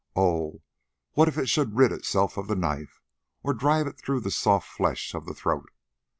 Oh! what if it should rid itself of the knife, or drive it through the soft flesh of the throat?